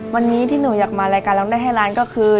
วันนี้ที่หนูอยากมารายการร้องได้ให้ล้านก็คือ